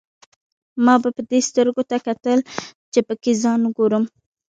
ما به دې سترګو ته کتل، چې پکې ځان وګورم.